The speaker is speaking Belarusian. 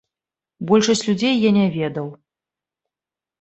Большасць людзей я не ведаў.